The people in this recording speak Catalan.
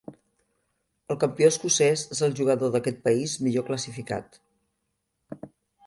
El campió escocès és el jugador d'aquest país millor classificat.